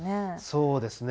そうですね。